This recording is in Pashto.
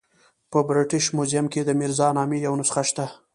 په برټش میوزیم کې د میرزا نامې یوه نسخه شته.